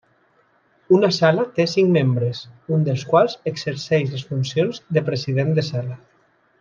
Una sala té cinc membres, un dels quals exerceix les funcions de president de sala.